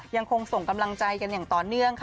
ยังคงส่งกำลังใจกันอย่างต่อเนื่องค่ะ